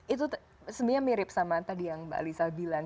itu sebenarnya mirip sama tadi yang mbak alisa bilang